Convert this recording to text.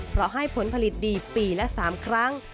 เพราะให้ผลผลิตดีปีละ๓ครั้ง